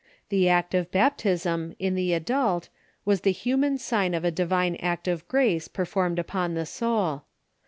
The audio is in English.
The act of baptism, in the adult, was the human sign of a divine act of grace performed upon the soul.